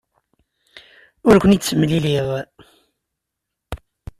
Ur ken-id-ttemliliɣ.